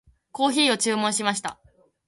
コーヒーを注文しました。